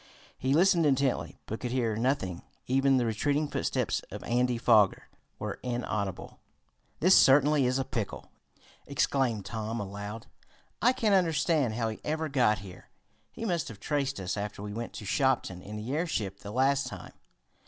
He listened intently, but could hear nothing. Even the retreating footsteps of Andy Foger were inaudible. "This certainly is a pickle!" exclaimed Tom aloud. "I can't understand how he ever got here. He must have traced us after we went to Shopton in the airship the last time.